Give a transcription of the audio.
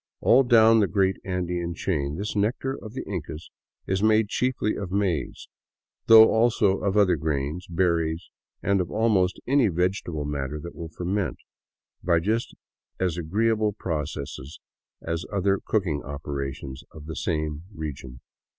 All down the great Andean chain this nectar of the Incas is made chiefly of maize, though also of other grains, berries, and of almost any vegetable matter that will ferment, by just as agreeable processes as any other cooking operation of the same region.